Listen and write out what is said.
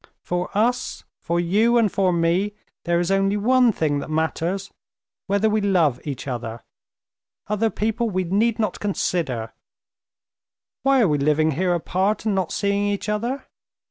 For us, for you and for me, there is only one thing that matters, whether we love each other. Other people we need not consider. Why are we living here apart and not seeing each other?